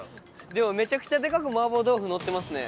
でもめちゃくちゃでかく麻婆豆腐載ってますね。